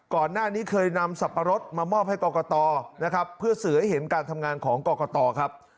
ก่อนหน้านี้เคยนำสับปะรดมามอบให้กรกตนะครับเพื่อสื่อให้เห็นการทำงานของกรกตครับ